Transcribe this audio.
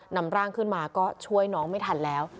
นำร่างขึ้นมาก็ช่วยน้องไม่ทันแล้ว